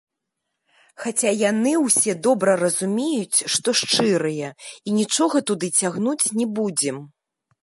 Хаця, яны ўсе добра разумеюць, што шчырыя і нічога туды цягнуць не будзем.